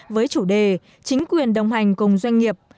với chủ đề chính quyền đồng hành cùng doanh nghiệp